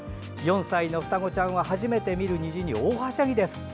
４歳の双子ちゃんは初めて見る虹におおはしゃぎです。